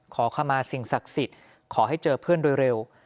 ขอขมาสิ่งศักดิ์สิทธิ์ขอให้เจอเพื่อนโดยเร็ว